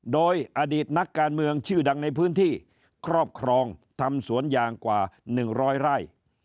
โดยอดีตนักการเมืองชื่อดังในพื้นที่ครอบครองทำสวนยางกว่า๑๐๐ไร่